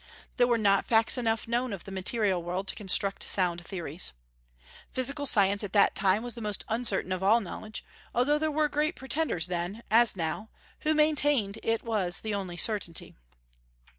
There were not facts enough known of the material world to construct sound theories. Physical science at that time was the most uncertain of all knowledge, although there were great pretenders then, as now, who maintained it was the only certainty.